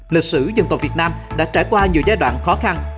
lịch sử dân tộc việt nam đã trải qua nhiều giai đoạn khó khăn